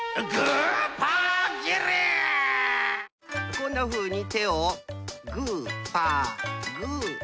こんなふうに手をグーパーグーパー。